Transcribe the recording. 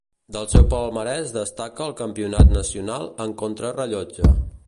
Del seu palmarès destaca el Campionat nacional en contrarellotge.